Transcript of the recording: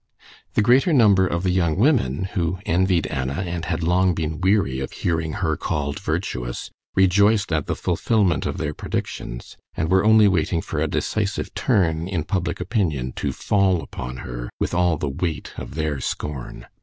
The greater number of the young women, who envied Anna and had long been weary of hearing her called virtuous, rejoiced at the fulfillment of their predictions, and were only waiting for a decisive turn in public opinion to fall upon her with all the weight of their scorn.